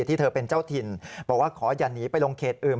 ที่เธอเป็นเจ้าถิ่นบอกว่าขออย่าหนีไปลงเขตอื่น